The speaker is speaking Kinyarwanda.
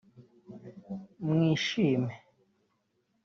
“mwishime